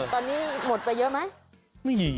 ตอนนี้หมดไปเยอะไหม